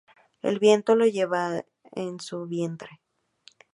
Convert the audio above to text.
El Viento lo lleva en su vientre.